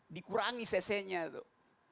dikurangi cc nya tuh